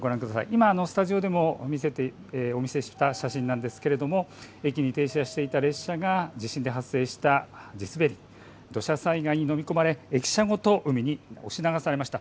今スタジオでもお見せした写真ですが駅に停車していた列車が地震が発生した地滑り、土砂災害にのみ込まれて駅舎ごと海に押し流されました。